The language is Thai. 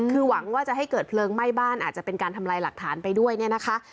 คือหวังว่าจะให้เกิดเพลิงไหม้บ้านอาจจะเป็นการทำลายหลักฐานไปด้วยเนี่ยนะคะ